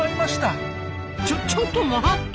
ちょちょっと待った！